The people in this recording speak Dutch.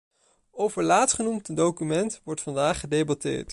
Over laatstgenoemd document wordt vandaag gedebatteerd.